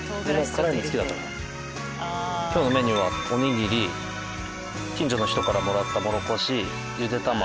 今日のメニューはおにぎり近所の人からもらったモロコシ茹で卵。